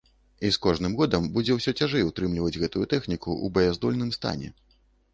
І з кожным годам будзе ўсё цяжэй утрымліваць гэтую тэхніку ў баяздольным стане.